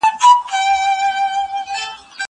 زه اوس مينه څرګندوم؟!